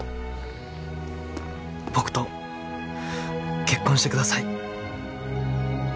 僕と結婚してください。